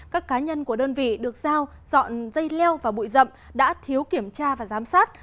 các cá nhân của đơn vị được giao dọn dây leo và bụi rậm đã thiếu kiểm tra và giám sát